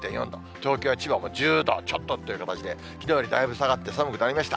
東京や千葉も１０度ちょっとという感じで、きのうよりだいぶ下がって寒くなりました。